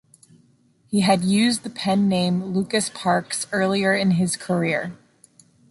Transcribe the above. He had used the pen-name Lucas Parkes earlier in his career.